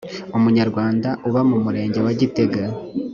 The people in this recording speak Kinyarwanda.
umunyarwanda uba mu murenge wa gitega